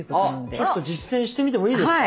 ちょっと実践してみてもいいですか？